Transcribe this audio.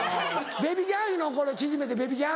ベビギャンいうのこの縮めてベビギャン？